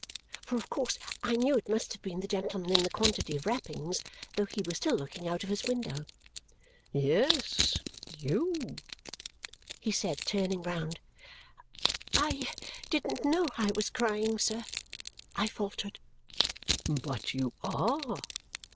For of course I knew it must have been the gentleman in the quantity of wrappings, though he was still looking out of his window. "Yes, you," he said, turning round. "I didn't know I was crying, sir," I faltered. "But you are!"